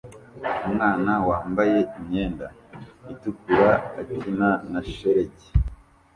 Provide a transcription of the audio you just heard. Umwana wambaye imyenda itukura akina na shelegi